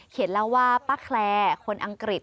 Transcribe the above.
เขียนเล่าว่าป๊าแคลแร์คนอังกฤศ